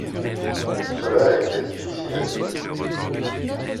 Cela était difficile à dire.